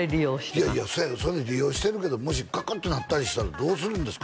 いやいやそうやけどそれ利用してるけどもしガクンってなったりしたらどうするんですか？